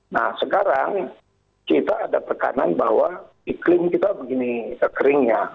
nah sekarang kita ada tekanan bahwa iklim kita begini kering ya